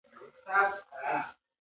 افغانستان کې د ښارونو د پرمختګ هڅې شته.